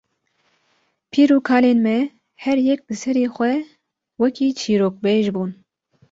pîr û kalên me her yek bi serê xwe wekî çîrokbêj bûn.